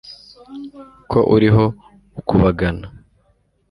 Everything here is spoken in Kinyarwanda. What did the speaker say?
ko uriho ukubagana